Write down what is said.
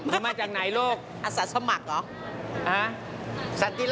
มาจากไหนรูปอาสัสสมัครหรอ